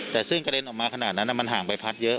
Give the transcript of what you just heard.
แต่ซึ่งกระเด็นออกมาขนาดนั้นมันห่างใบพัดเยอะ